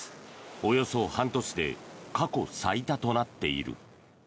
およそ半年で過去最多となっている。